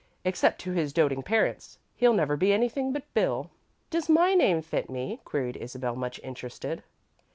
Except to his doting parents, he'll never be anything but 'Bill.'" "Does my name fit me?" queried Isabel, much interested.